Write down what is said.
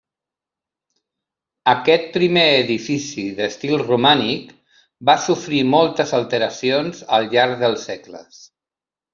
Aquest primer edifici, d'estil romànic, va sofrir moltes alteracions al llarg dels segles.